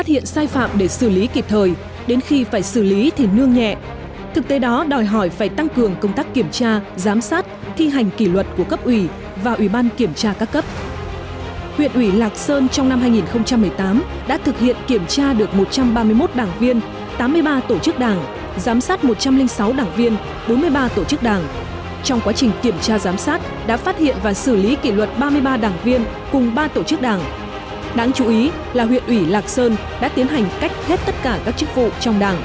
thì quan điểm của tôi là trong quá trình thực hiện thanh tra